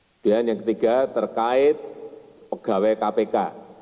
kemudian yang ketiga terkait pegawai kpk